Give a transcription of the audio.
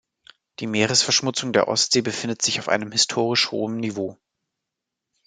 Die Meeresverschmutzung der Ostsee befindet sich auf einem historisch hohem Niveau.